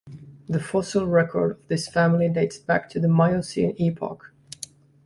The fossil record of this family dates back to the Miocene epoch.